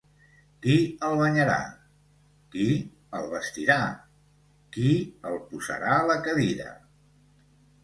Qui el banyarà, qui el vestirà, qui el posarà a la cadira?